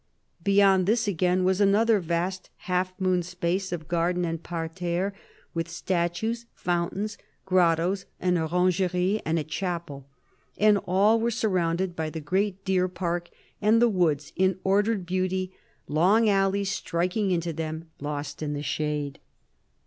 Beyond this again was another vast half moon space of garden and parterre, with 236 CARDINAL DE RICHELIEU statues, fountains, grottoes, an orangery, and a 'chapel ; and all was surrounded by the great deer park and the woods in ordered beauty, long alleys striking into them, lost in the shade.